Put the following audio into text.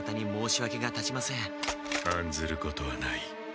あんずることはない。